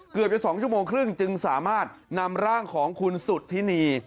เกือบจะ๒ชั่วโมงครึ่งจึงสามารถนำร่างของคุณสุธินี